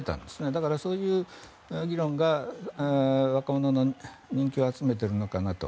だからそういう議論が若者の人気を集めてるのかなと。